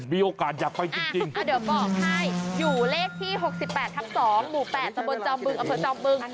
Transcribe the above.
มีโอกาสอยากไปจริงก็เดี๋ยวบอกให้อยู่เลขที่๖๘ทับ๒หมู่๘ตะบนจอมบึงอำเภอจอมบึง